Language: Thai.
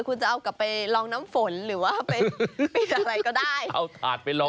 คุณจะเอากลับไปลองน้ำฝนหรือว่าไปอะไรก็ได้เอาถาดไปลอง